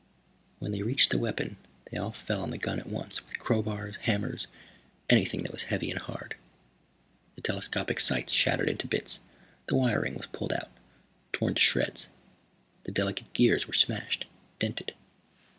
When they reached the weapon they all fell on the gun at once, with crowbars, hammers, anything that was heavy and hard. The telescopic sights shattered into bits. The wiring was pulled out, torn to shreds. The delicate gears were smashed, dented.